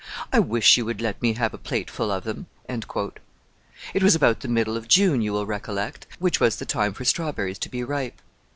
I wish you would let me have a plateful of them." It was about the middle of June, you will recollect, which was the time for strawberries to be ripe.